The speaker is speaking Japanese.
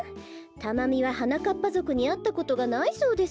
タマミははなかっぱぞくにあったことがないそうですの。